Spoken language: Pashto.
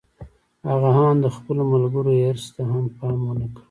هغه آن د خپلو ملګرو حرص ته هم پام و نه کړ.